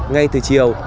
ngay từ chiều